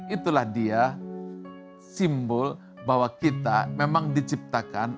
itulah dia simbol bahwa kita memang diciptakan